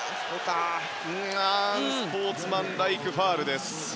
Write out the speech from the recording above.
アンスポーツマンライクファウルです。